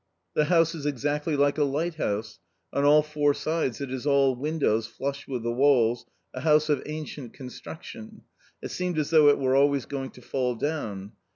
The house is exactly like a lighthouse : on all four sides it is all windows flush with the walls, a house of ancient con struction ; it seems as though it were always going to fall down.